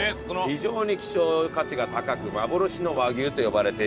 非常に希少価値が高く幻の和牛と呼ばれているんだそうです。